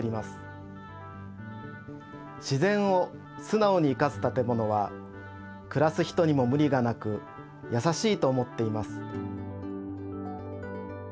しぜんをすなおに生かす建物はくらす人にもむりがなくやさしいと思っています。